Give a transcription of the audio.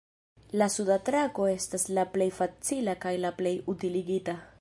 La suda trako estas la plej facila kaj la plej utiligita.